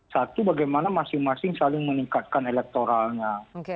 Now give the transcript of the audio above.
satu bagaimana masing masing saling meningkatkan elektoralnya